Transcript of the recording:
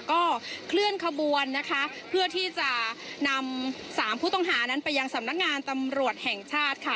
ก็เคลื่อนขบวนนะคะเพื่อที่จะนำสามผู้ต้องหานั้นไปยังสำนักงานตำรวจแห่งชาติค่ะ